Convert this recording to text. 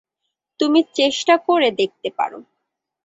তুমি চেষ্টা করে দেখতে পার?